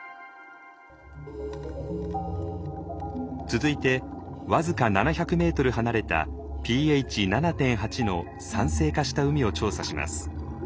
続いて僅か７００ｍ離れたｐＨ７．８の酸性化した海を調査します。